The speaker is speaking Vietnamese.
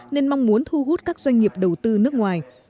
nên mong muốn thu hút các doanh nghiệp đầu tư nước ngoài